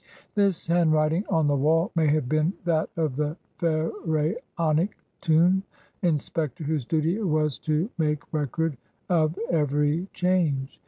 This handwriting on the wall may have been that of the Pharaonic tomb inspector whose duty it was to make record of every change.